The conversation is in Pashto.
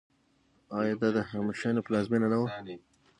آیا دا د هخامنشیانو پلازمینه نه وه؟